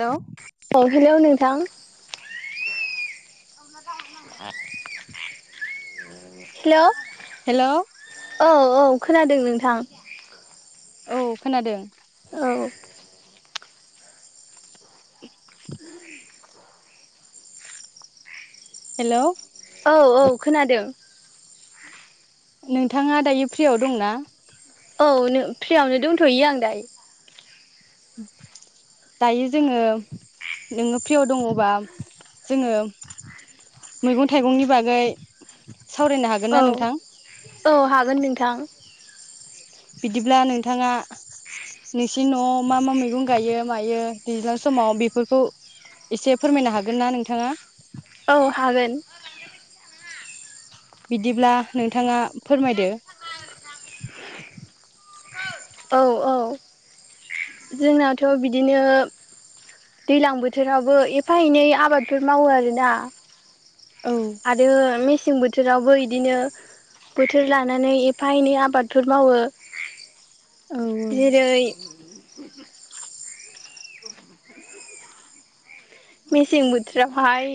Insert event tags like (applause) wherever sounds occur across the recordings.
Hello अ hello नोंथां hello hello औ औ खोनादों नोंथां औ खोनादों औ (inaudible) हेलौ औ औ खोनादों। नोंथाङा दायो फ्रियाव दंना? औ फ्रियावनो दोनथ'यो आं दायो। (inaudible) दायो जोङो नोङो फ्रियाव दङबा जोङो मैगं थाइगंनि बागै सावरायनो हागोन औ ना नोंथां औ हागोन नोंथां बिदिब्ला नोंथाङा नोंसिनि नवाव मा मा मैगं गायो मायो दैज्लां समाव बेफोरखौ एसे फोरमायनो हागोन ना नोंथाङा औ हागोन बिदिब्ला नोंथाङा फोरमायदो। औ औ जोंनाथ' बिदिनो दैज्लां बोथोरावबो एफा एनै आबादफोर मावो आरोना। औ आरो मेसें बो थोरावबो इदिनो बोथोर लानानै एफा एनै आबादफोर मावो औ औ जेरै (inaudible) मेसें बोथोरावहाय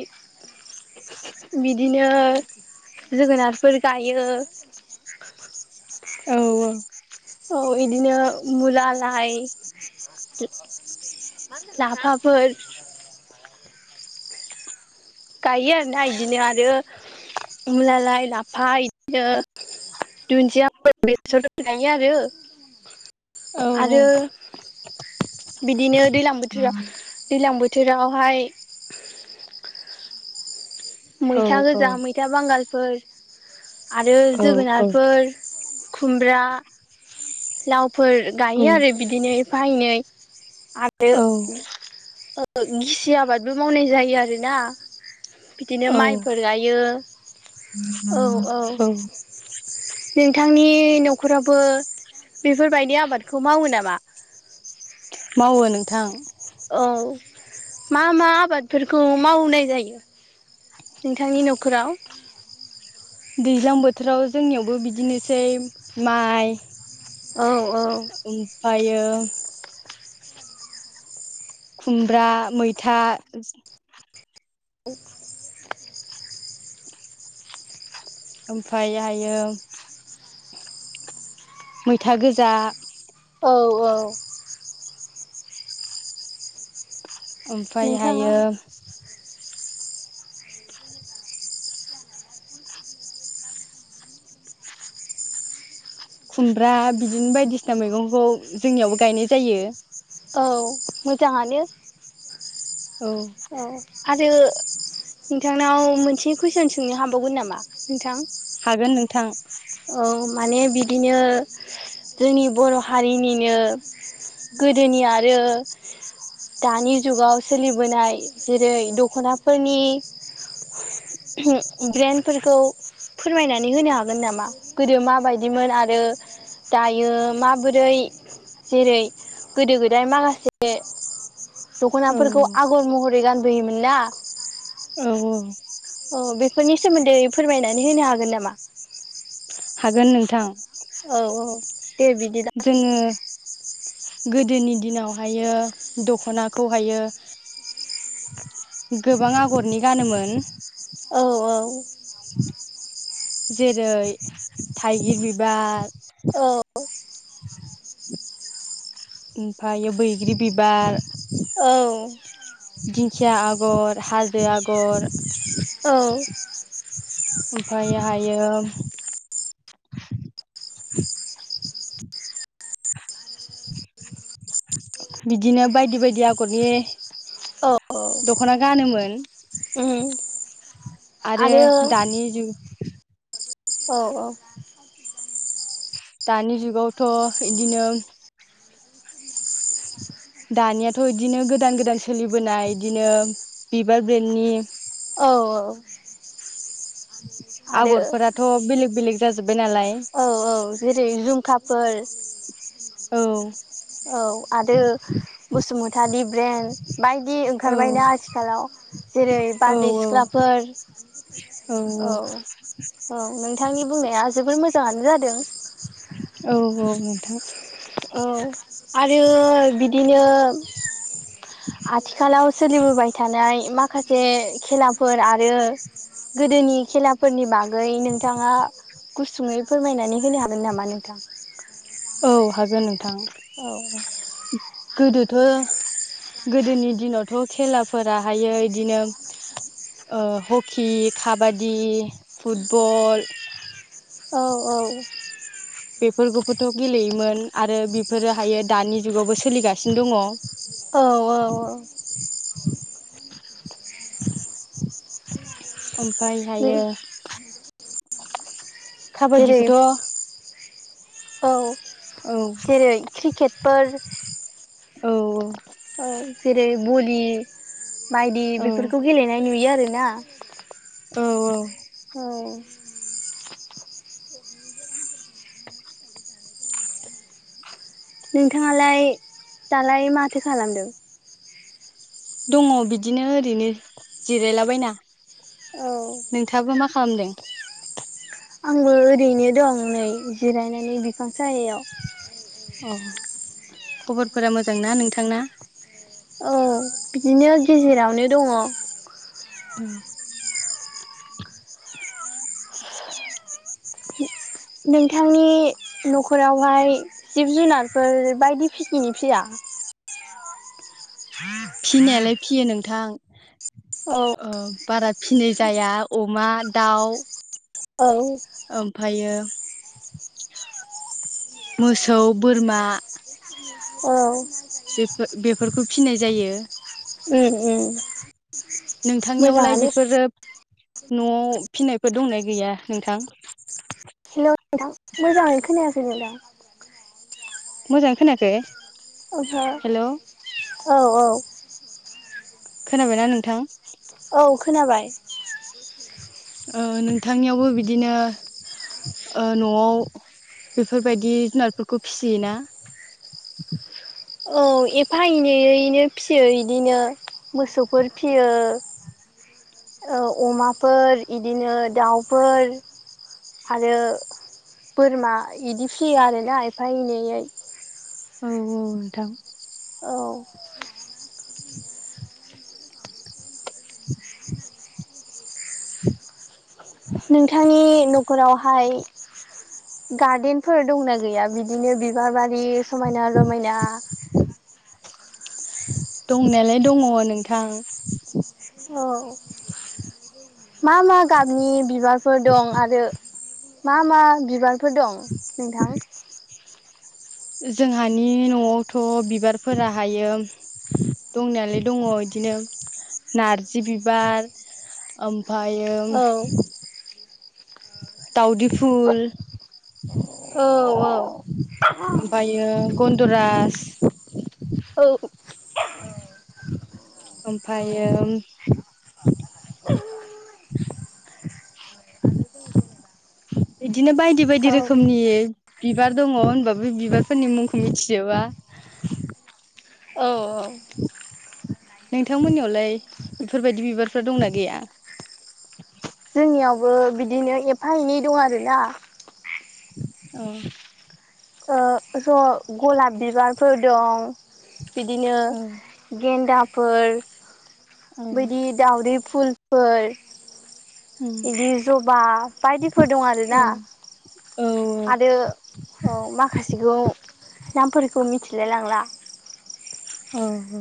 बिदिनो जोगोनारफोर गायो। औ औ औ बिदिनो मुला लाय लाफाफोर गायो आरोना इदिनो आरो मुला लाय लाफा इदिनो दुनदिया (unintelligible) बेसर गायो आरो औ आरो बिदिनो दैलां बोथोराव दैलां बो थोरावहाय मैथा औ गोजा मैथा बांगालफोर आरो औ जोगोनारफोर खुमब्रा लाव फोर गायो आरो बिदिनो एफा एनै आरो गिसि आबादबो मावनाय जायो आरोना बिदिनो औ माइफोर गायो। औ औ नोंथांनि न'खरावबो बेफोरबायदि आबादखौ मावो नामा? मावो नोंथां। औ मा मा आबादफोरखौ मावनाय जायो? नोंथांनि न'खराव दैज्लां बोथोराव जोंनियावबो बिदिनोसै माइ औ औ ओमफायो खुमब्रा मैथा ओमफ्रायायो मैथा गोजा औ औ नोंथाङा ओमफ्रायहायो खुमब्रा बिदिनो बायदिसिना मैगंखौ जोंनियावबो गायनाय जायो। औ मोजाङानो औ औ आरो नोंथांनाव मोनसे कुइसन सोंनो हाबावगोन नामा नोंथां? हागोन नोंथां। औ माने बिदिनो जोंनि बर' हारिनिनो गोदोनि आरो दानि जुगाव सोलिबोनाय जेरै दख'नाफोरनि ब्रेेनफोरखौ फोरमायनानै होनो हागोन नामा गोदो माबायदिमोन आरो दायो माबोरै जेरै गोदो गोदाय माखासे औ दख'नाफोरखौ आगर महरै गानबोयोमोन ना। औ औ औ बेफोरनि सोमोन्दै फोरमायनानै होनो हागोन नामा? हागोन नोंथां। औ औ दे बिदिब्ला जोङो गोदोनि दिनावहायो दख'नाखौहायो गोबां आगरनि गानोमोन। औ औ जेरै थाइगिर बिबार (inaudible) औ ओमफ्रायो बैग्रि बिबार औ दिंखिया आगर हाजो आगर औ ओमफायहायो बिदिनो बायदि बायदि आगरनि औ दख'ना गानोमोन। उम आरो दानि जुग औ दानि जुगावथ' इदिनो (inaudible) दानियाथ' इदिनो गोदान गोदान सोलिबोनाय इदिनो बिबार ब्रेन्डनि औ औ आरो आगरफोराथ' बेलेग बेलेग जाजोब औ औ जेरै जुमखाफोर औ औ आरो बसुमतारि ब्रेन्ड बायदि औ ओंखारबायना आथिखालाव जेरै औ बारदै सिख्लाफोर औ औ नोंथांनि बुंनाया जोबोर मोजाङानो जादों। औ औ नोंथां। औ आरो बिदिनो आथिखालाव सोलिबोबाय थानाय माखासे खेलाफोर आरो गोदोनि खेलाफोरनि बागै नोंथाङा गुसुङै फोरमायनानै होनो हागोन नामा नोंथां? औ हागोन नोंथां। औ गोदोथ' गोदोनि दिनावथ' खेलाफोराहायो इदिनो ओ हकि, काबादि, फुटबल औ औ बेफोरखौबोथ' गेलेयोमोन आरो बेफोरोहायो दानि जुगावबो सोलिगासिनो दङ‌। औ औ ओमफायहायो जेरै काबादिखौथ' औ औ जेरै क्रिकेटफोर औ औ भलि बायदि औ बेफोरखौ गेलेनाय नुयो आरोना। औ औ। औ नोंथाङालाय दालाय माथो खालामदों? दङ बिदिनो ओरैनो जिरायलाबायना। औ खामदों? आंबो ओरैनो दं नै जिरायनानै बिफां सायायाव। अ खबरफोरा मोजांना नोंथांना? औ बिदिनो गेजेरावनो दङ। उम नोंथांनि न'खरावहाय जिब जुनारफोर बायदि फिसिनि फिया (inaudible) फिनायालाय फियो नोंथां ओ बारा फिनाय जाया अमा दाउ उम ओमफायो मोसौ बोरमा औ बेफो बेफोरखौ फिनाय जायो। नोंथांनियावलाय मोजाङानो बेफोरो न'आव फिनायफोर दंनाय गैया नोंथां? हेल' नोंथां मोजाङैनो खोनायाखै नोंथां मोजां खोनाखै ओहो औ औ खोनाबायना नोंथां औ खोनाबाय औ नोंथांनियावबो बिदिनो ओ न'आव बेफोरबायदि जुनारफोरखौ फिसियोना (inaudible) औ एफा एनैयैनो फिसियो इदिनो मोसौफोर फियो (inaudible) औ अमाफोर इदिनो दाउफोर आरो बोरमा इदि फिसियो आरोना एफा एनैयै औ औ नोंथां औ (inaudible) नोंथांनि न'खरावहाय गार्देनफोर दंना गैया बिदिनो बिबार बारि समायना रमायना दंनायालाय दङ नोंथां औ मा मा गाबनि बिबारफोर दं आरो मा मा बिबारफोर दं नोंथां जोंहानि न'आवथ' बिबारफोरा हायो दंनायालाय दङ बिदिनो नारजि बिबार ओम फायो औ दावदि फुल औ ओमफायो गन्दराज औ ओमफायो (unintelligible) दिनो बायदि बायदि औ रोखोमनि बिबार दङ होनबाबो बिबारफोरनि मुंखौ मिथिजोबा औ औ नोंथांमोननियावलाय बेफोरबायदि बिबारफ्रा दंना गैया बो बिदिनो एफा एनै दं आरोना औ ओ ज' गलाब बिबारफोर दं बिदिनो गेन्दाफोर बैदि दावदै फुल फोर बिदि जबा बायदिफोर दं आरोना उम आरो औ माखासेखौ नामफोरखौ मिथिलाय लांला औ औ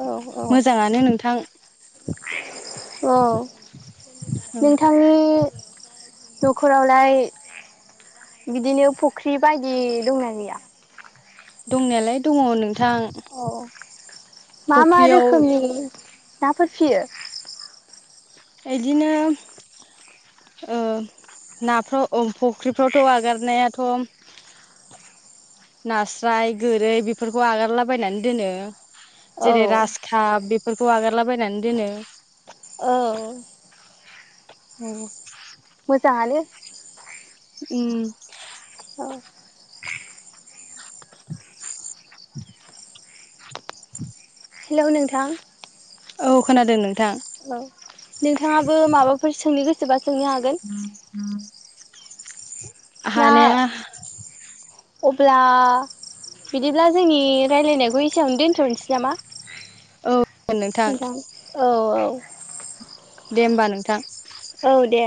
औ औ मोजाङानो नोंथां औ नोंथांनि न'खरावलाय बिदिनो फख्रि बायदि दंना गैया दंनायालाय दङ नों औ मा मा फुख्रियाव रोखोमनि नाफोर फियो इदिनो ओ नाफ्राव अ फख्रिफ्रावथ' आगारनायाथ' नास्राय गोरै बेफोरखौ आगारलाबायनानै दोनो औ जेरै रास काप बेफोरखौ आगारलाबायनानै दोनो औ औ मोजाङानो उम औ (inaudible) (inaudible) हेलौ नोंथां औ खोनादों नों औ नोंथाङाबो माबाफोर सोंनो गोसोबा सोंनो हागोन हानाया ब्ला बिदिब्ला जोंनि रायज्लायनायखौ एसेयावनो दोनथ'नोसै नामा औ नोंथां औ औ दे होमबा नोंथां औ दे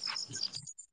(inaudible)